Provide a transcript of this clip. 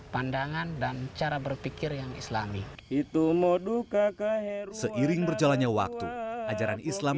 pandangan dan cara berpikir yang islami itu moduka seiring berjalannya waktu ajaran islam